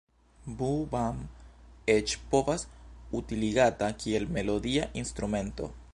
Boo-bam eĉ povas utiligata kiel melodia instrumento.